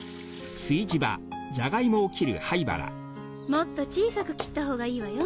もっと小さく切った方がいいわよ。